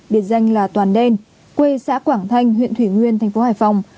biệt danh là toàn đen quê xã quảng thanh huyện thủy nguyên tp hải phòng